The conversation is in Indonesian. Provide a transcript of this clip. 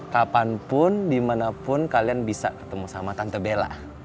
kapanpun dimanapun kalian bisa ketemu sama tante bella